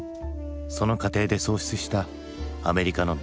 その過程で喪失したアメリカの美徳。